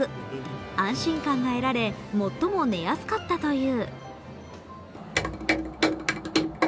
安心感が得られ最も寝やすかったという。